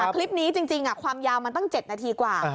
คลิปนี้จริงความยาวมันตั้ง๗นาทีกว่า